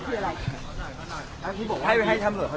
เขาให้ข้อมูลว่ายังไงบ้างครับเรื่องต้น